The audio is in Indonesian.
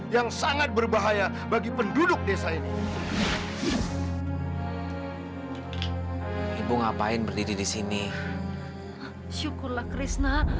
yang sangat berbahaya bagi penduduk desa ini ibu ngapain berdiri di sini